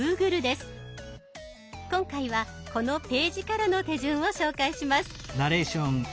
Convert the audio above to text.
今回はこのページからの手順を紹介します。